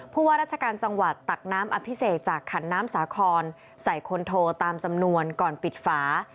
ว่าราชการจังหวัดตักน้ำอภิเษกจากขันน้ำสาครใส่คนโทตามจำนวนก่อนปิดฝา